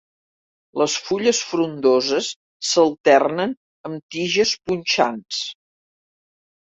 Les fulles frondoses s'alternen amb tiges punxants.